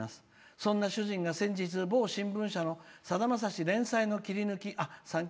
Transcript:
そんな主人が先日、某新聞社のさだまさしの切り抜き。